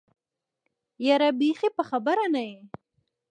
يره بېخي په خبره نه يې.